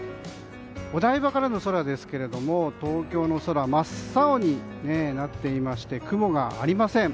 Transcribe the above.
お台場からの空ですけれども東京の空真っ青になっていまして雲がありません。